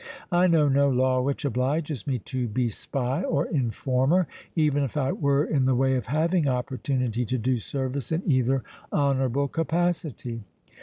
I know no law which obliges me to be spy or informer, even if I were in the way of having opportunity to do service in either honourable capacity."